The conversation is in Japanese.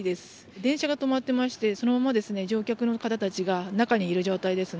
電車が止まっていましてそのまま乗客の方たちが中にいる状態です。